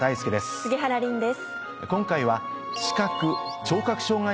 杉原凜です。